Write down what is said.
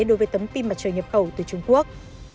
đối với tấm pin mặt trời nhập khẩu từ trung quốc